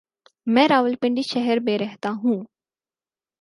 میں راولپنڈی شہر میں رہتا ہوں۔